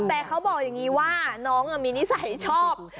แต่เขาบอกอย่างนี้ว่าน้องมีนิสัยชอบ